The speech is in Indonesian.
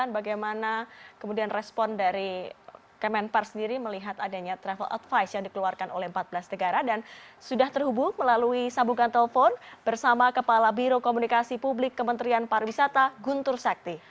bagaimana kemudian respon dari kemenpar sendiri melihat adanya travel advice yang dikeluarkan oleh empat belas negara dan sudah terhubung melalui sambungan telepon bersama kepala biro komunikasi publik kementerian pariwisata guntur sakti